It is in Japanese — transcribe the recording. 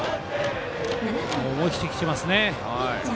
思い切ってきてますね。